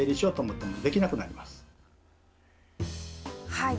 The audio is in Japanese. はい。